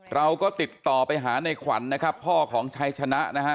เราก็ติดต่อไปหาในขวัญนะครับพ่อของชัยชนะนะฮะ